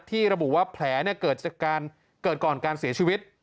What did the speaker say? ระบุว่าแผลเกิดจากการเกิดก่อนการเสียชีวิต